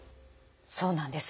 そうなんです。